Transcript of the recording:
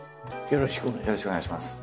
よろしくお願いします。